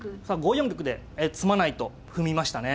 ５四玉で詰まないと踏みましたね。